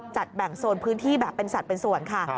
แบ่งโซนพื้นที่แบบเป็นสัตว์เป็นส่วนค่ะ